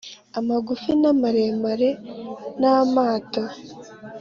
amagufi na maremare namato